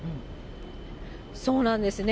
そうなんですね。